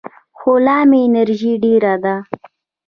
خو لا مې انرژي ډېره ده.